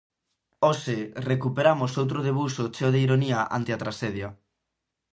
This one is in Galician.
Hoxe, recuperamos outro debuxo cheo de ironía ante a traxedia.